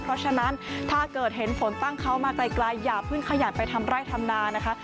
เพราะฉะนั้นถ้าเกิดเห็นฝนตั้งเขามาไกลอย่าเพิ่งขยันไปทำไร่ทำนานะคะ